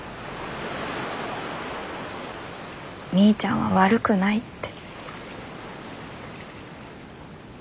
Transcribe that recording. みーちゃんは悪くないって。